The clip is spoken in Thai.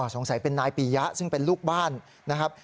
สงสัยเป็นนายปียะซึ่งเป็นลูกบ้านนะครับ